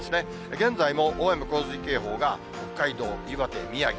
現在も大雨・洪水警報が北海道、岩手、宮城。